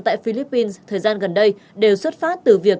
tại philippines thời gian gần đây đều xuất phát từ việc